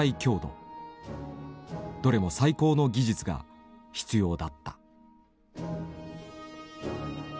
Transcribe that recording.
どれも最高の技術が必要だった。